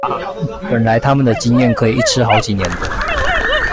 本來他們的經驗可以一吃好幾年的